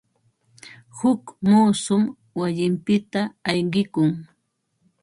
Huk muusum wayinpita ayqikun.